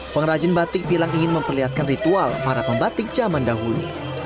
pengrajin batik bilang ingin memperlihatkan ritual para pembatik zaman dahulu